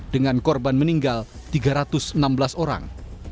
dengan korban meninggal tiga ratus enam belas orang